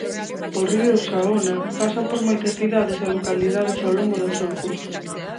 O río Saona pasa por moitas cidades e localidades ao longo do seu curso.